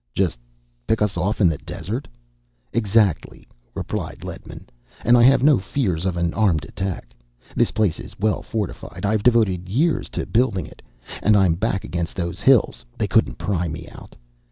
"Just pick us off in the desert?" "Exactly," replied Ledman. "And I have no fears of an armed attack. This place is well fortified. I've devoted years to building it. And I'm back against those hills. They couldn't pry me out."